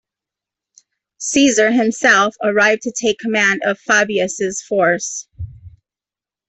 Caesar himself arrived to take command of Fabius' force.